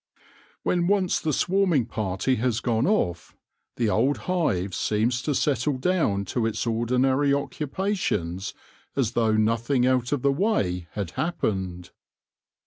When once the swarming party has gone off, the old hive seems to settle down to its ordinary occupa tions as though nothing out of the way had happened.